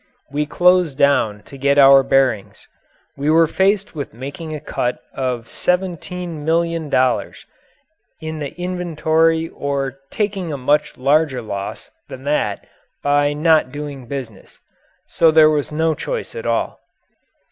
We closed down to get our bearings. We were faced with making a cut of $17,000,000 in the inventory or taking a much larger loss than that by not doing business. So there was no choice at all.